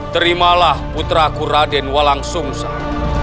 terimalah putra kuraden walang sung sang